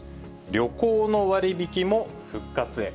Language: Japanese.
旅行の割引も復活へ。